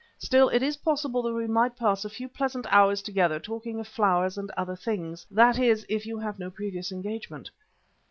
Still it is possible that we might pass a few pleasant hours together talking of flowers and other things; that is, if you have no previous engagement."